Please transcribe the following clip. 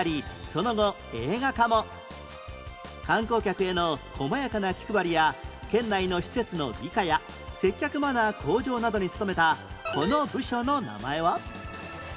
観光客への細やかな気配りや県内の施設の美化や接客マナー向上などに務めたこの部署の名前は？